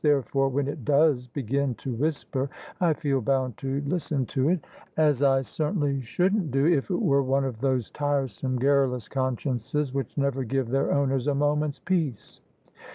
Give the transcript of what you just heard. Therefore when it does begin to whisper I feel bound to listen to it, as I cer OF ISABEL CARNABY tainly shouldn't do if it were one of those tiresome, garru lous consciences which never give their owners a moment's peace.